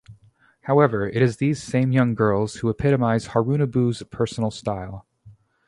However, it is these same young girls who epitomize Harunobu's personal style.